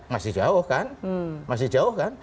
masih jauh kan masih jauh kan